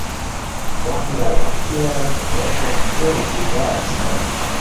وختہ مائی وخت بیرائے موشو تروئے ژیژاؤ اسیتانی